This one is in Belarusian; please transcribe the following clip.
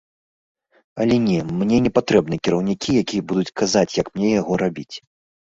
Але, не, мне не патрэбныя кіраўнікі, якія будуць казаць, як мне яго рабіць.